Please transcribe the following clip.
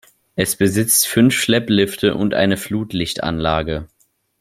Es besitzt fünf Schlepplifte und eine Flutlichtanlage.